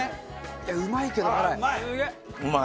いやうまいけど辛い。